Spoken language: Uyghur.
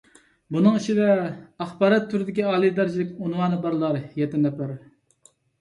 بۇنىڭ ئىچىدە، ئاخبارات تۈرىدىكى ئالىي دەرىجىلىك ئۇنۋانى بارلار يەتتە نەپەر.